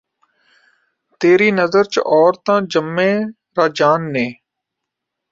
ਤੇਰੀ ਨਜ਼ਰ ਚ ਔਰ ਤ ਜੰਮੇ ਰਾਜਾਨ ਨੇ